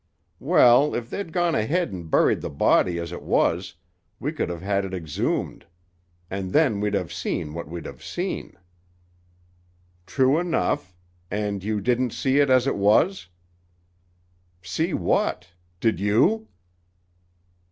"Well, if they'd gone ahead and buried the body as it was, we could have had it exhumed. And then we'd have seen what we'd have seen." "True enough. And you didn't see it as it was?" "See what? Did you?"